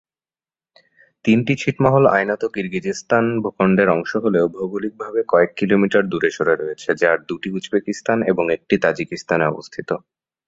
তিনটি ছিটমহল আইনত কিরগিজস্তান ভূখণ্ডের অংশ হলেও ভৌগোলিকভাবে কয়েক কিলোমিটার দূরে সরে রয়েছে যার দুটি উজবেকিস্তানে এবং একটি তাজিকিস্তানে অবস্থিত।